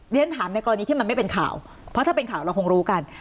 เรียนถามในกรณีที่มันไม่เป็นข่าวเพราะถ้าเป็นข่าวเราคงรู้กัน